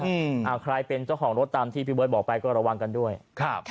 อ่าใครเป็นเจ้าของรถตามที่พี่เบิร์ตบอกไปก็ระวังกันด้วยครับ